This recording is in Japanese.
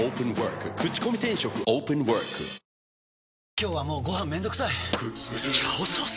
今日はもうご飯めんどくさい「炒ソース」！？